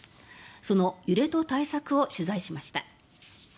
その揺れと対策を取材しました。